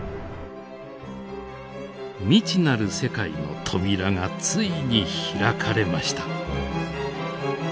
未知なる世界の扉がついに開かれました。